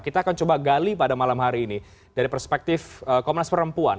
kita akan coba gali pada malam hari ini dari perspektif komnas perempuan